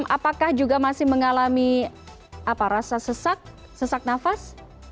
apakah juga masih mengalami rasa sesak sesak nafas